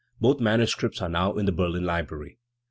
Both manuscripts are now in the Berlin Library.